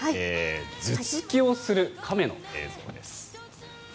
頭突きをする亀の映像です。